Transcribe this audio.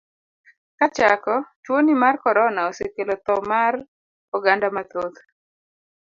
Kachako, tuoni mar korona osekelo tho mar oganda mathoth.